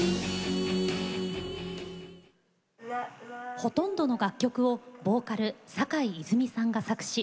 ほとんどの楽曲をボーカル坂井泉水さんが作詞。